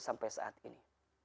sampai saat ini